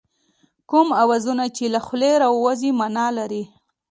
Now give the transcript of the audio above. کوم اوازونه چې له خولې راوځي مانا لري